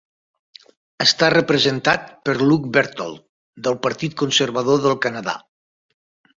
Està representat per Luc Berthold del partit Conservador del Canadà.